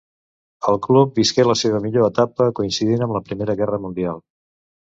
El club visqué la seva millor etapa coincidint amb la Primera Guerra Mundial.